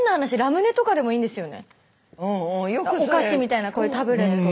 お菓子みたいなこういうタブレット。